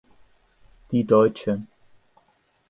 Die dt.